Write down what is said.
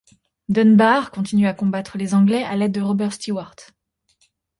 Dunbar continue à combattre les Anglais avec l'aide de Robert Stewart.